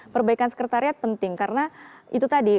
perbaikan sekretariat penting karena itu tadi